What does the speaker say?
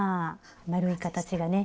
丸い形がね